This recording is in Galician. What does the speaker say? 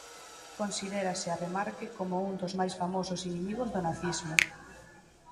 Considérase a Remarque como un dos máis famosos inimigos do nazismo.